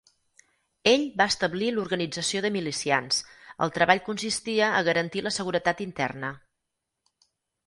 Ell va establir l'Organització de milicians, el treball consistia a garantir la seguretat interna.